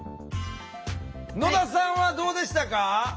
野田さんはどうでしたか？